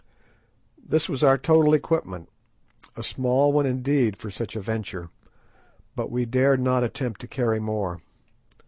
This was our total equipment, a small one indeed for such a venture, but we dared not attempt to carry more.